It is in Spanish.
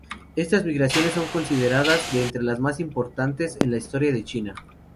Estas migraciones son consideradas de entre las más importantes en la historia de China.